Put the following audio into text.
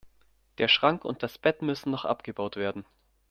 Der Schrank und das Bett müssen noch abgebaut werden.